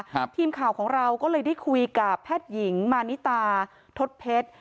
ทีมข่าวของเราก็เลยได้คุยกับแพทย์หญิงมานิตาทศเพชร